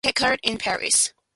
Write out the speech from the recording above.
Picard in Paris.